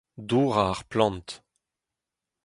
dourañ ar plant